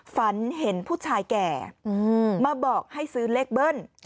ฝันเห็นผู้ชายแก่มาบอกให้ซื้อเลขเบิ้ล